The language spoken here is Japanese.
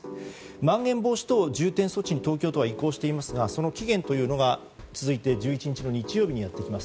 まん延防止等重点措置に東京都は移行していますがその期限というのが１１日の日曜日にやってきます。